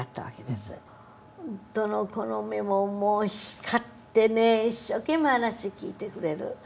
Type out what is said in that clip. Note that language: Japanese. どの子の目ももう光ってね一生懸命話聞いてくれる。